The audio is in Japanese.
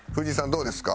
どうですか？